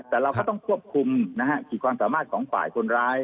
แต่เราก็ต้องควบคุมกิจความสามารถของฝ่ายคนร้าย